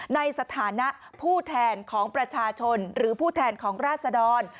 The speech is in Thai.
ในฐานะผู้แทนของประชาชนหรือผู้แทนของราศดร